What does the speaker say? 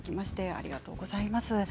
ありがとうございます。